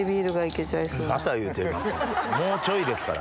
もうちょいですから。